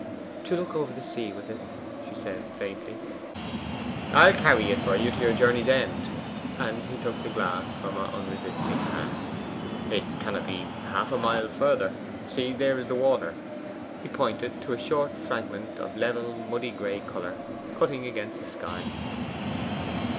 'To look over the sea with it,' she said faintly. 'I'll carry it for you to your journey's end.' And he took the glass from her unresisting hands. 'It cannot be half a mile further. See, there is the water.' He pointed to a short fragment of level muddy gray colour, cutting against the sky.